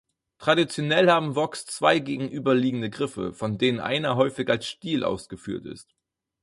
Traditionell haben Woks zwei gegenüberliegende Griffe, von denen einer häufig als Stiel ausgeführt ist.